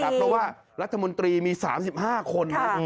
เพราะว่ารัฐมนตรีมี๓๕คน